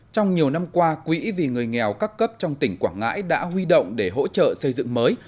trong nhiều năm qua quỹ vì người nghèo các cấp trong tỉnh quảng ngãi đã huy động để hỗ trợ xây dựng mới